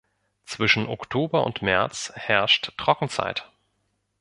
Zwischen Oktober und März herrscht Trockenzeit.